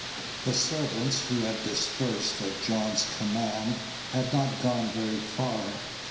The servants, who had dispersed at John's command, had not gone very far.